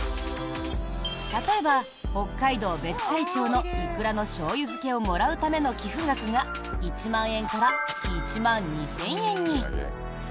例えば、北海道別海町のイクラのしょうゆ漬けをもらうための寄付額が１万円から１万２０００円に。